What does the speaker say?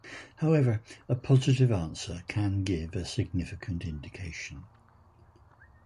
However, a positive answer can give a significant indication.